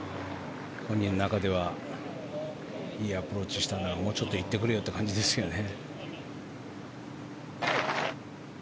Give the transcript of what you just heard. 本人の中ではいいアプローチをしたんだからもうちょっと行ってくれよって感じですよね。